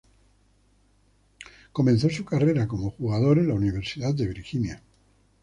Comenzó su carrera como jugador en Universidad de Virginia.